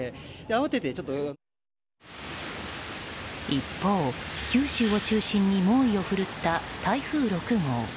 一方、九州を中心に猛威を振るった台風６号。